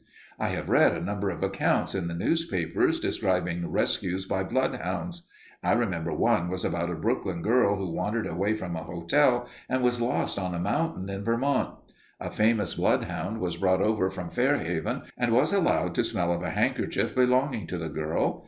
"I have read a number of accounts in the newspapers describing rescues by bloodhounds. I remember one was about a Brooklyn girl who wandered away from a hotel and was lost on a mountain in Vermont. A famous bloodhound was brought over from Fairhaven and was allowed to smell of a handkerchief belonging to the girl.